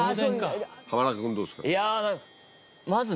浜中君どうですか？